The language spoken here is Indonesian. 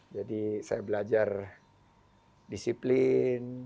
jadi saya belajar disiplin